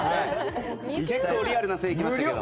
結構リアルな線いきましたけど。